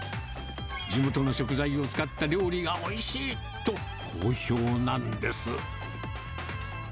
地元の食材を使った料理がおいしいと、好評なんです。